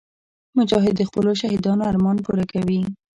مجاهد د خپلو شهیدانو ارمان پوره کوي.